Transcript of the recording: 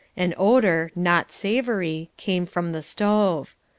An odour, not savoury, came from the stove.